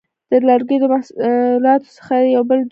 د لرګیو له محصولاتو څخه یو بل ډول ترکیبات دي.